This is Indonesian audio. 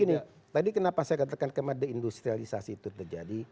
jadi gini tadi kenapa saya katakan kemarin deindustrialisasi itu terjadi